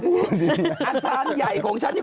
กัญชัยมอบให้คุณจะเอายังอื่นนะครับ